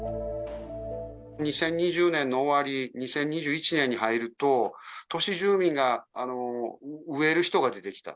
２０２０年の終わり、２０２１年に入ると、都市住民が飢える人が出てきた。